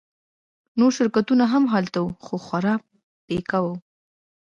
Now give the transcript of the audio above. نور شرکتونه هم هلته وو خو خورا پیکه وو